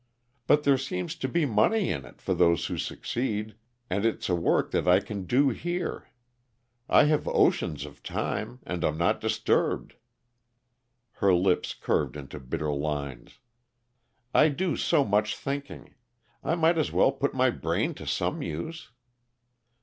"But there seems to be money in it, for those who succeed, and it's work that I can do here. I have oceans of time, and I'm not disturbed!" Her lips curved into bitter lines. "I do so much thinking, I might as well put my brain to some use."